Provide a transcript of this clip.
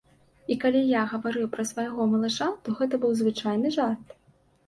І калі я гаварыў пра свайго малыша, то гэта быў звычайны жарт.